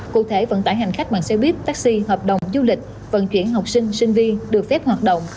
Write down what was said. cụ thể vận tải hành khách bằng xe buýt taxi hợp đồng du lịch vận chuyển học sinh sinh viên được phép hoạt động